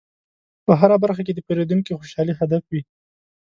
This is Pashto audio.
په هره برخه کې د پیرودونکي خوشحالي هدف وي.